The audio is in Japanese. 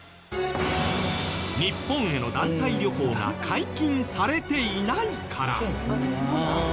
日本への団体旅行が解禁されていないから。